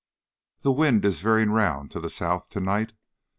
The wind is veering round to the south to night.